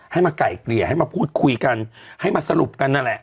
ให้มาไก่เกลี่ยให้มาพูดคุยกันให้มาสรุปกันนั่นแหละ